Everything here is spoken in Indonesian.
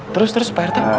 terus terus pak rt